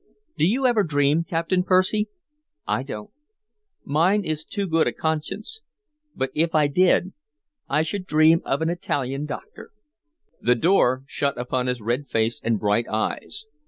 Do you ever dream, Captain Percy? I don't; mine is too good a conscience. But if I did, I should dream of an Italian doctor." The door shut upon his red face and bright eyes.